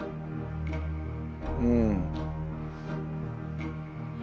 うん。